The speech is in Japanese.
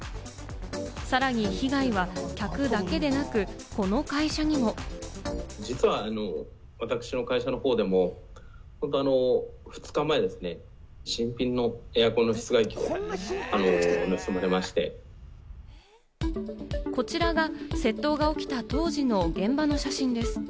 さらに被害は客だけでなく、この会社にも。こちらが窃盗が起きた当時の現場の写真です。